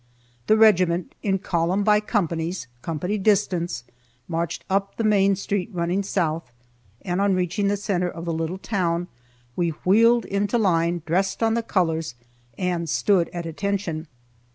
The regiment, in column by companies, company distance, marched up the main street running south, and on reaching the center of the little town, we wheeled into line, dressed on the colors, and stood at attention.